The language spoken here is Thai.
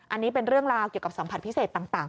อันนี้เป็นเรื่องราวเกี่ยวกับสัมผัสพิเศษต่าง